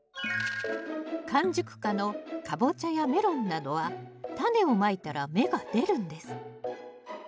完熟果のカボチャやメロンなどはタネをまいたら芽が出るんです。